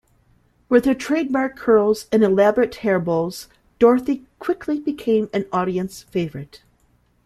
With her trademark curls and elaborate hair bows, Dorothy quickly became an audience favorite.